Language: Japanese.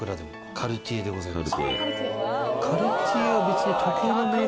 カルティエでございます。